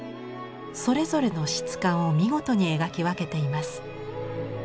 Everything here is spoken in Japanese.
それぞれの質感を見事に描き分けています。